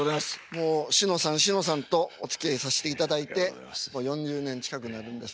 もうしのさんしのさんとおつきあいさせていただいてもう４０年近くになるんですかね。